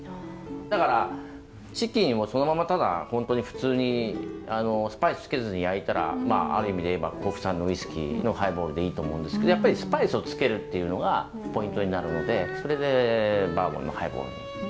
だからチキンをそのままただ本当に普通にスパイスつけずに焼いたらある意味で言えば国産のウイスキーのハイボールでいいと思うんですけどやっぱりスパイスをつけるっていうのがポイントになるのでそれでバーボンのハイボールに。